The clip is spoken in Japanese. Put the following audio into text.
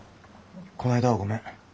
この間はごめん。